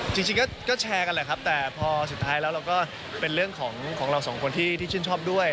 จริงก็แชร์กันแหละครับแต่พอสุดท้ายแล้วเราก็เป็นเรื่องของเราสองคนที่ชื่นชอบด้วย